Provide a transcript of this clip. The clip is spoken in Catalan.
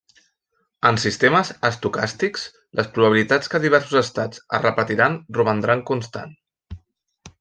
En sistemes estocàstics, les probabilitats que diversos estats es repetiran romandran constants.